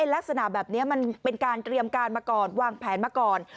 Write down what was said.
ลักษณะแบบนี้มันเป็นการเตรียมการมาก่อนวางแผนมาก่อน